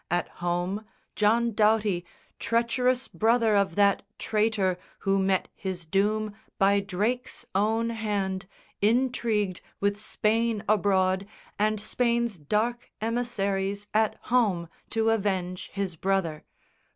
At home John Doughty, treacherous brother of that traitor Who met his doom by Drake's own hand, intrigued With Spain abroad and Spain's dark emissaries At home to avenge his brother.